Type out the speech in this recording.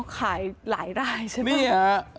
ขายหลายรายใช่ไหม